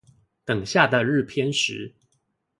等下的日偏食